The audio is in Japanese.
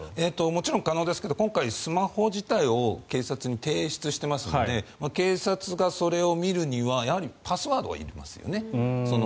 もちろん可能ですけど今回、スマホ自体を警察に提出していますので警察がそれを見るにはパスワードがいりますよね。